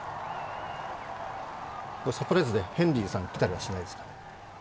サプライズでヘンリーさん来たりしないですかね。